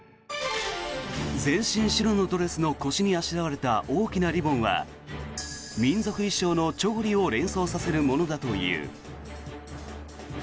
全身白のドレスの腰にあしらわれた大きなリボンは民族衣装のチョゴリを連想させるものだという。